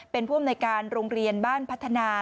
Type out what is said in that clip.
เป็นผู้อำนวยการโรงเรียนบ้านพัฒนา